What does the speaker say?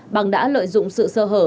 bằng đã lợi dụng sự sơ hở